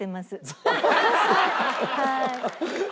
はい。